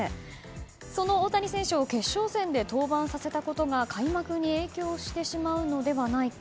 その大谷選手を決勝戦で登板させたことが開幕に影響してしまうのではないか。